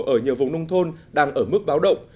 ở nhiều vùng nông thôn đang ở mức báo động